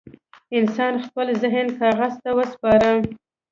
انسان خپل ذهن کاغذ ته وسپاره.